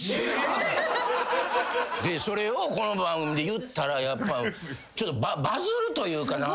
でそれをこの番組で言ったらちょっとバズるというか。